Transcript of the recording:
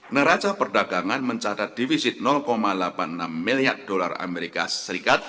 neraca perdagangan mencatat divisi delapan puluh enam miliar dolar amerika serikat